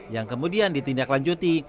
yang kemudian ditindaklanjuti